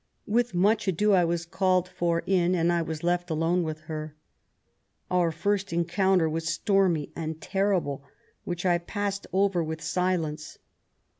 ;*' With much ado I was called for in, and I was left alone with her. Our first encounter was stormy and terrible, which I passed over with silence.